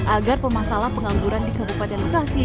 agar pemasalah pengangguran di kabupaten bekasi